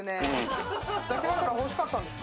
抱き枕欲しかったんですか？